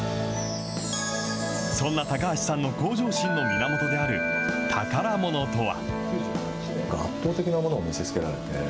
そんな高橋さんの向上心の源である宝ものとは。